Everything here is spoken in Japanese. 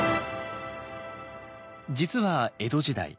実は江戸時代